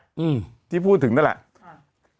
อืมที่พูดถึงนั่นแหละค่ะ